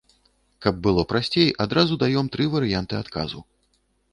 Каб было прасцей, адразу даём тры варыянты адказу.